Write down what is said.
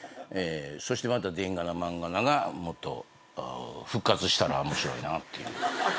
そしてまたでんがなまんがながもっと復活したら面白いなっていう。